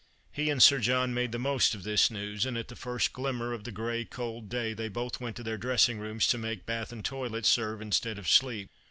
He and Sir John made the most of this news, and at the first glimmer of the grey cold day they both went to their dressing rooms to make bath and toilet serve instead of sleep.